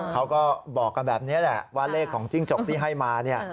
เขาก็บอกกันแบบนี้แหละว่าเลขของจิ้งจกที่ให้มาเนี่ย